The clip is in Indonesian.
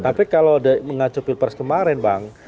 tapi kalau mengacu pilpres kemarin bang